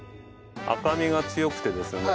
赤みが強くてですね